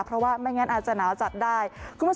เพราะว่าไม่งั้นอาจจะหนาวจัดได้